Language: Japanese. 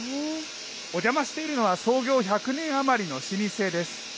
お邪魔しているのは、創業１００年余りの老舗です。